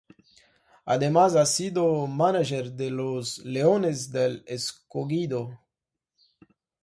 Además ha sido mánager de los "Leones del Escogido".